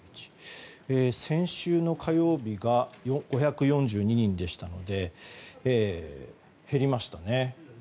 先週の火曜日が５４２人でしたので減りましたね。